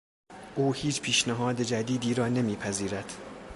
او هیچ پیشنهاد جدیدی را نمیپذیرد.